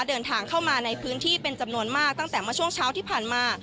เดินทางเข้ามาในพื้นที่เป็นจำนวนมากตั้งแต่เมื่อช่วงเช้าที่ผ่านมา